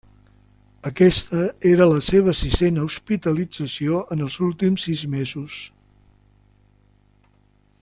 Aquesta era la seva sisena hospitalització en els últims sis mesos.